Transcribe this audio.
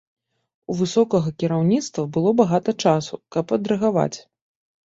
У высокага кіраўніцтва было багата часу, каб адрэагаваць.